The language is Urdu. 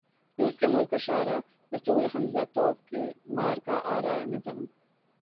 روس کے ملک اشعراء رسول ہمزہ توف کی مارکہ آرا نظم